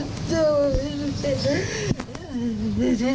ไปเลย